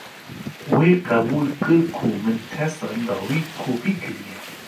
Wê qebûl kir ku min testa dawî kopî kiriye.